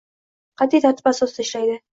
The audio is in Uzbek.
Qat’iy tartib asosida ishlaydi